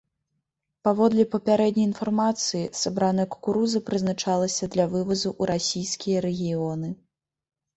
Паводле папярэдняй інфармацыі, сабраная кукуруза прызначалася для вывазу ў расійскія рэгіёны.